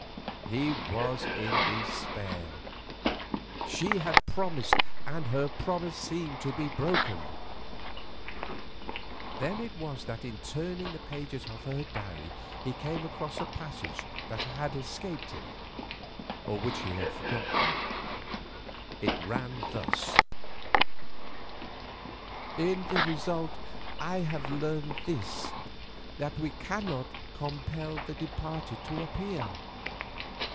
He was in despair. She had promised, and her promise seemed to be broken. Then it was that in turning the pages of her diary he came across a passage that had escaped him, or which he had forgotten. It ran thus: "In the result I have learned this, that we cannot compel the departed to appear.